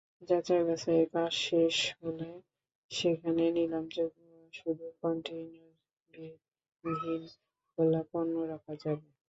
যাচাই-বাছাইয়ের কাজ শেষ হলে সেখানে নিলামযোগ্য শুধু কনটেইনারবিহীন খোলা পণ্য রাখা যাবে।